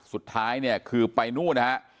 สุดท้ายคือไปนู้น